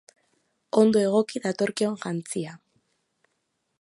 Ondo egoki datorkion jantzia.